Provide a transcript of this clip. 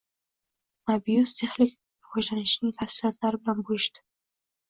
Mobiuz texnik rivojlanishning tafsilotlari bilan bo‘lishdi